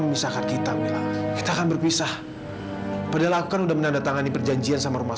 memisahkan kita bilang kita akan berpisah padahal aku kan udah menandatangani perjanjian sama rumah